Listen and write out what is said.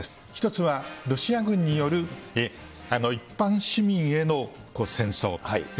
１つは、ロシア軍による一般市民への戦争。